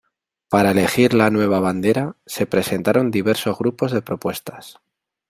Para elegir la nueva bandera, se presentaron diversos grupos de propuestas.